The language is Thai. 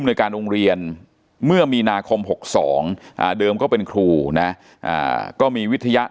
โดยการโรงเรียนเมื่อมีนาคม๖๒เดิมก็เป็นครูนะก็มีวิทยา